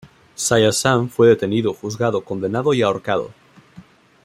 Saya San, fue detenido, juzgado, condenado y ahorcado.